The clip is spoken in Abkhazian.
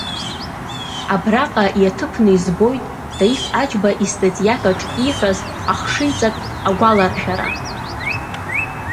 Абраҟа иаҭыԥны избоит Таиф Аџьба истатиакаҿ ииҳәаз ахшыҩҵак агәаларшәара…